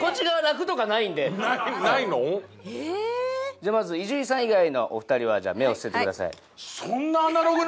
じゃあまず伊集院さん以外のお二人は目を伏せてください。